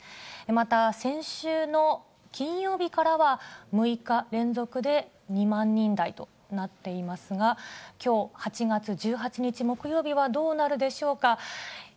また、先週の金曜日からは、６日連続で２万人台となっていますが、きょう８月１８日木曜日はどうなるでしょうか。